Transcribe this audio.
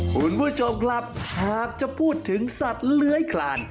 คุณผู้ชมครับหากจะพูดถึงสัตว์เลื้อยคลาน